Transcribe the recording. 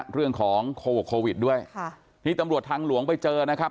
แล้วฮะเรื่องของโควิดด้วยค่ะนี่ตำรวจทางหลวงไปเจอนะครับ